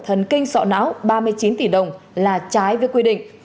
thần kinh sọ não ba mươi chín tỷ đồng là trái với quy định